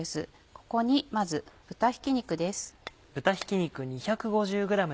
ここにまず豚ひき肉です。